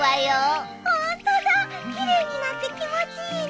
ホントだ奇麗になって気持ちいいね。